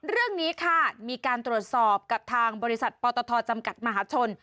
เรื่องนี้ค่ะมีการตรวจสอบกับทางบริษัทปตทจำกัดมหาชน